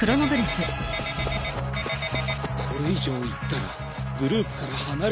これ以上行ったらグループから離れすぎだと！？